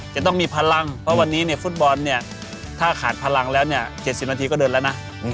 จะต้องมีพลังเพราะวันนี้เนี่ยฟุตบอลเนี่ยถ้าขาดพลังแล้วเนี่ย๗๐นาทีก็เดินแล้วนะ